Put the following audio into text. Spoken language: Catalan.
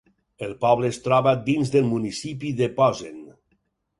El poble es troba dins del municipi de posen.